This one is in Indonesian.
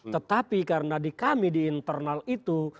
tetapi karena di kami di internal itu